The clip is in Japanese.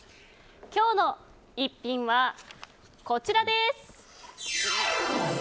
今日の逸品は、こちらです！